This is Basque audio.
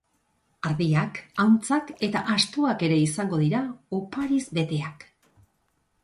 Ardiak, ahuntzak eta astoak ere izango dira, opariz beteak.